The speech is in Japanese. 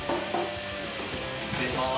・・失礼します。